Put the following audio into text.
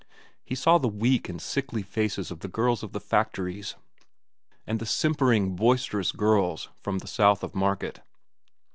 He saw the weak and sickly faces of the girls of the factories, and the simpering, boisterous girls from the south of Market.